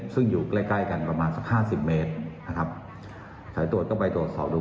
ซึ่งอยู่ใกล้ใกล้กันประมาณสักห้าสิบเมตรนะครับสายตรวจก็ไปตรวจสอบดู